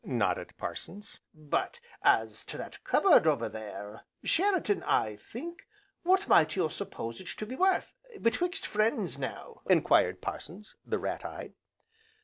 nodded Parsons. "But, as to that cup board over there, Sheraton, I think, what might you suppose it to be worth, betwixt friends, now?" enquired Parsons, the rat eyed.